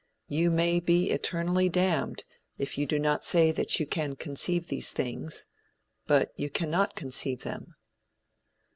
You may be eternally damned if you do not say that you can conceive these things, but you cannot conceive them.